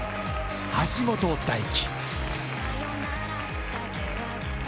橋本大輝